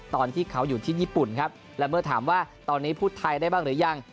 ตอนที่เขาอยู่ที่ญี่ปุ่นครับและเมื่อถามว่าตอนนี้พูดไทยได้บ้างหรือยัง